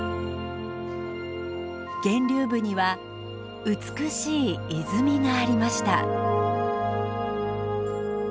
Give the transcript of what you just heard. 源流部には美しい泉がありました。